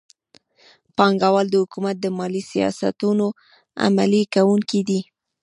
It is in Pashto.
بانکونه د حکومت د مالي سیاستونو عملي کوونکي دي.